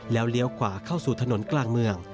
แล้วเลี้ยวขวาเข้าสู่ถนนกลางเมือง